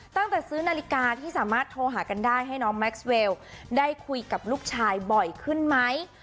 ตั้งแต่ซื้อนาฬิกาที่สามารถโทรหากันได้ให้น้องแม็กซ์เวลได้คุยกับลูกชายบ่อยขึ้นไหม